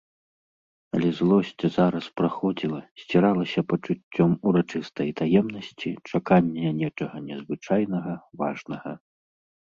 Але злосць зараз праходзіла, сціралася пачуццём урачыстай таемнасці, чакання нечага незвычайнага, важнага.